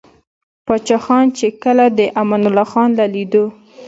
پاچاخان ،چې کله دې امان الله خان له ليدلو o